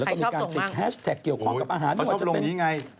แล้วก็มีการติดแฮชแท็กเกี่ยวของกับอาหารไม่ว่าจะเป็นใครชอบลงอย่างนี้ไง